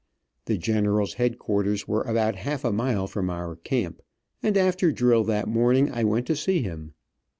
The general's headquarters were about half a mile from our camp, and after drill that morning I went to see him.